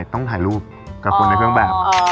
ต้องถ่ายรูปกับคนในเครื่องแบบ